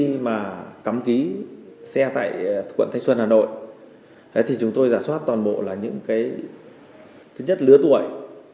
khi mà cắm ký xe tại quận thanh xuân hà nội thì chúng tôi giả soát toàn bộ là những cái thứ nhất lứa tuổi